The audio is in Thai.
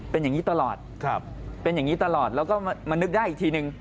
เป็นอย่างงี้ตลอดเราก็มานึกได้อีกทีหนึ่ง